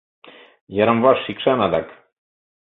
Йырым-ваш шикшан адак